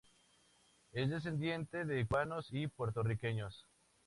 Es descendiente de cubanos y puertorriqueños.